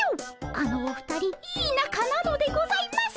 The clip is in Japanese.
あのお二人いいなかなのでございます。